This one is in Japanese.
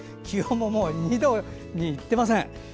気温も２度にいっていません。